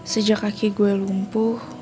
sejak kaki gue lumpuh